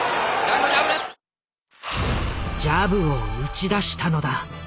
ジャブを打ち出したのだ。